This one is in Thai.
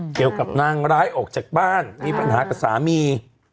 เกี่ยวกับนางร้ายออกจากบ้านมีปัญหากับสามี